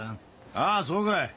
ああそうかい。